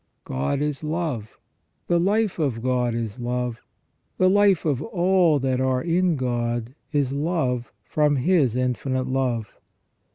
God is love. The life of God is love. The life of all that are in God is love from His infinite love.